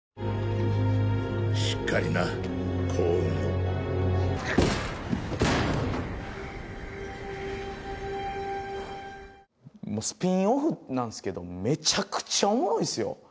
しっかりな幸運をもうスピンオフなんすけどめちゃくちゃおもろいっすよ